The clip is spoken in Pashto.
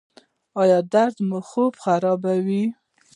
ایا درد مو خوب خرابوي؟